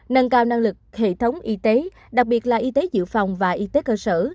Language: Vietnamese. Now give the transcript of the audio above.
nâng cao năng lực hệ thống y tế đặc biệt là y tế dự phòng và y tế cơ sở